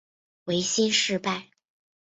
维新事败。